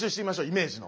イメージの。